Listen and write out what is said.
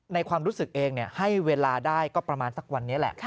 ความรู้สึกเองให้เวลาได้ก็ประมาณสักวันนี้แหละ